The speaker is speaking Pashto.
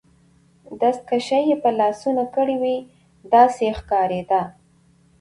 دستکشې يې په لاسو کړي وې، داسې یې ښکاریده.